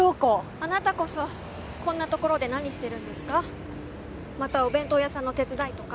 あなたこそこんなところで何してるんですかまたお弁当屋さんの手伝いとか？